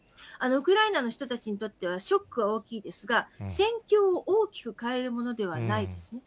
ウクライナの人たちにとっては、ショックは大きいですが、戦況を大きく変えるものではないですね。